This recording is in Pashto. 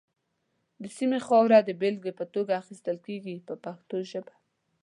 د سیمې خاوره د بېلګې په توګه اخیستل کېږي په پښتو ژبه.